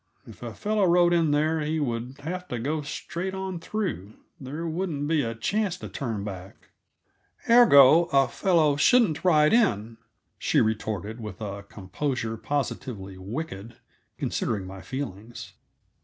If a fellow rode in there he would have to go straight on through; there wouldn't be a chance to turn back." "Ergo, a fellow shouldn't ride in," she retorted, with a composure positively wicked, considering my feelings.